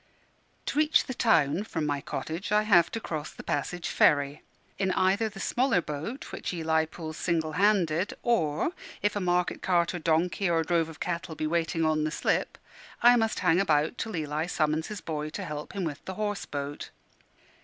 To reach the town from my cottage I have to cross the Passage Ferry, either in the smaller boat which Eli pulls single handed, or (if a market cart or donkey, or drove of cattle be waiting on the slip) I must hang about till Eli summons his boy to help him with the horse boat.